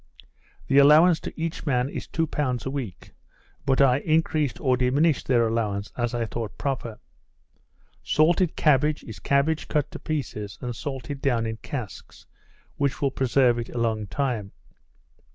The allowance to each man is two pounds a week, but I increased or diminished their allowance as I thought proper. Salted cabbage is cabbage cut to pieces, and salted down in casks, which will preserve it a long time.